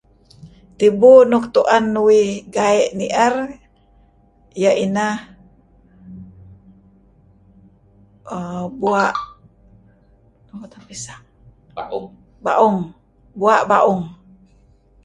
Tibu nuk tu'en uih gaie' ni'er iyah inah err bua' [whisper] ba'ung, bua' ba'ung.